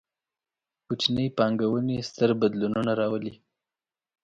کوچنۍ پانګونې، ستر بدلونونه راولي